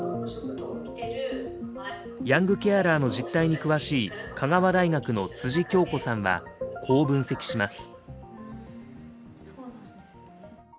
ヤングケアラーの実態に詳しい香川大学の京子さんはこう分析します。